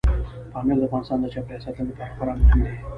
پامیر د افغانستان د چاپیریال ساتنې لپاره خورا مهم دی.